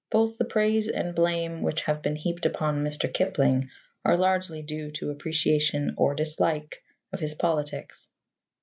Both the praise and blame which have been heaped upon Mr. Kipling are largely due to appreciation or dislike of his politics.